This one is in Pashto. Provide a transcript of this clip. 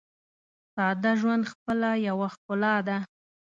ساده ژوند خپله یوه ښکلا ده.